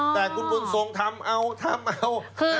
แต่คุณบุญทรงทำเอาทำเอา